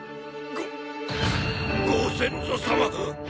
ごご先祖様！